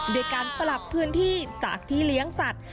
ด้วยการปรับพื้นที่จากที่เลี้ยงสัตว์